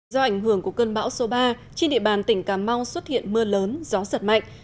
do ảnh hưởng của cơn bão số ba trên địa bàn tỉnh cà mau xuất hiện mưa lớn gió giật mạnh